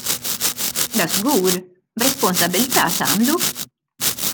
Dażgur, b'responsabbiltà tagħmlu!